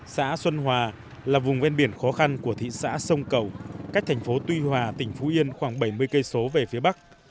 xã xuân hòa là vùng ven biển khó khăn của thị xã sông cầu cách thành phố tuy hòa tỉnh phú yên khoảng bảy mươi km về phía bắc